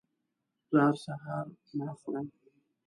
زه هر سهار مڼه خورم